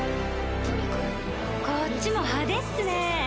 こっちも派手っすねぇ。